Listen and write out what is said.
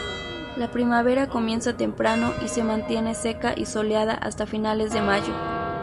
La primavera comienza temprano y se mantiene seca y soleada hasta finales de mayo.